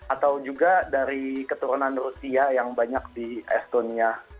atau juga dari keturunan rusia yang banyak di estonia